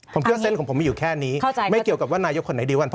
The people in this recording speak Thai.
ผมเชื่อเส้นของผมมีอยู่แค่นี้ไม่เกี่ยวกับว่านายกคนไหนดีกว่า